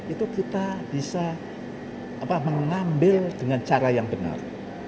itu kita bisa mengambil dengan cara yang benar